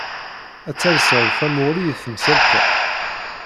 Ad talsed tamuɣli i temsalt-a.